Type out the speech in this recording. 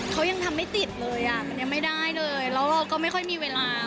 เขายังทำไม่ติดเลยอ่ะมันยังไม่ได้เลยแล้วเราก็ไม่ค่อยมีเวลา